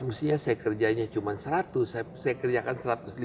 mestinya saya kerjanya cuma seratus saya kerjakan satu ratus lima puluh